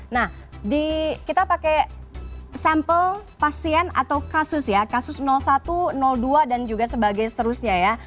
nah kita pakai sampel pasien atau kasus ya kasus satu dua dan juga sebagai seterusnya ya